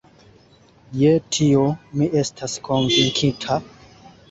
Je tio mi estas konvinkita.